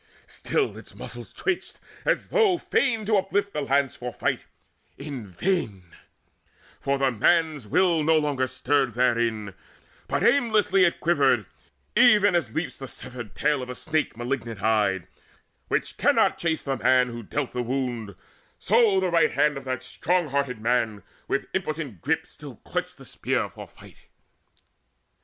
Still its muscles twitched, as though Fain to uplift the lance for fight in vain; For the man's will no longer stirred therein, But aimlessly it quivered, even as leaps The severed tail of a snake malignant eyed, Which cannot chase the man who dealt the wound; So the right hand of that strong hearted man With impotent grip still clutched the spear for fight.